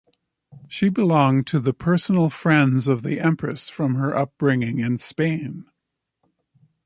She belonged to the personal friends of the empress from her upbringing in Spain.